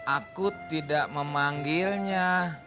aku tidak memanggilnya